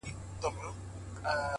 زلفـي را تاوي کړي پــر خپلـو اوږو.